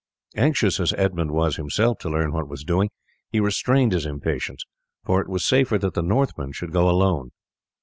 Anxious as Edmund was himself to learn what was doing, he restrained his impatience, for it was safer that the Northman should go alone.